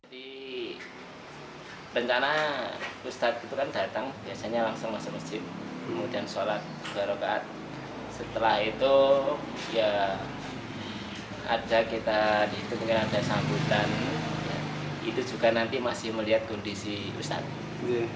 dan itu juga nanti masih melihat kondisi ustadz